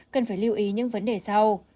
cần phải lưu ý những vấn đề sau